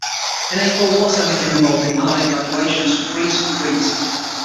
In April, "Waterhen" became involved in Allied evacuations from Greece and Crete.